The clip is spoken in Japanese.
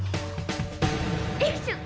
ヘクション！